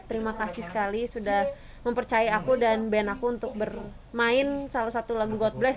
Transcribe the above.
terima kasih sekali sudah mempercaya aku dan band aku untuk bermain salah satu lagu god bless